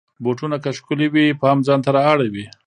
بوټونه که ښکلې وي، پام ځان ته را اړوي.